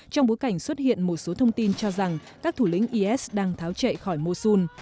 trong bối cảnh xuất hiện một số thông tin cho rằng các thủ lĩnh is đang tháo chạy khỏi mosun